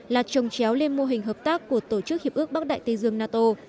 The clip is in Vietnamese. là trồng chéo lên mô hình hợp tác của tổ chức hiệp ước bắc đại tây dương nato